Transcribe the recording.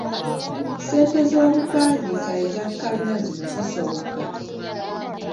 Saente z'obupangisa eza kalina zino zisoboka.